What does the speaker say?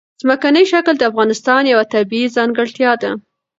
ځمکنی شکل د افغانستان یوه طبیعي ځانګړتیا ده.